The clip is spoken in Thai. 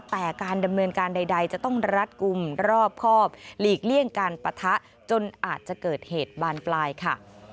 แต่การดำเนินการใดจะต้องรัดกลุ่มรอบครอบหลีกเลี่ยงการปะทะจนอาจจะเกิดเหตุบานปลายค่ะ